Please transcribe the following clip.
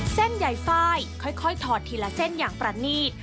เส้นใหญ่ไฟล์ค่อยถอดทีละเส้นอย่างประนีต